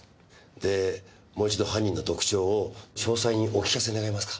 でもう一度犯人の特徴を詳細にお聞かせ願えますか？